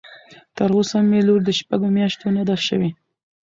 تر اوسه مې لور د شپږ مياشتو نه ده شوى.